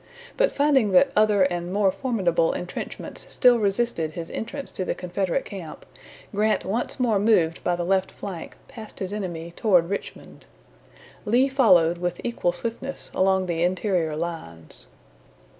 But finding that other and more formidable intrenchments still resisted his entrance to the Confederate camp, Grant once more moved by the left flank past his enemy toward Richmond. Lee followed with equal swiftness along the interior lines.